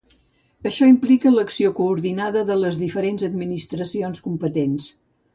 Això implica l'acció coordinada de les diferents administracions competents.